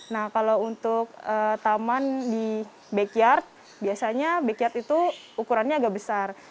nah kalau untuk taman di backyard biasanya backyard itu ukurannya agak besar